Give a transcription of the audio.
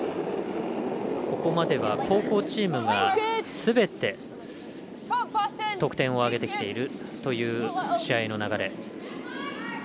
ここまでは後攻チームがすべて得点を挙げてきているという試合の流れ。